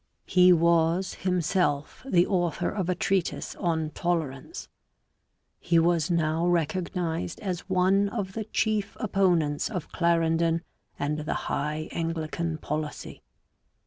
He was himself the author of a treatise on tolerance. He was now recog nized as one of the chief opponents of Clarendon and the High Anglican policy.